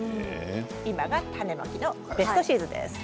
今が種まきのベストシーズンです。